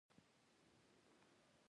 موږ باید په خپلو ټولنیزو کړنو کې پام وکړو.